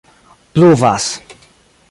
pluvas